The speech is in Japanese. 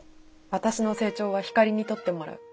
私の成長はヒカリに撮ってもらう。